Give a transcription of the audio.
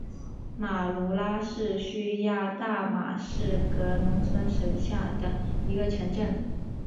马卢拉是叙利亚大马士革农村省下的一个城镇。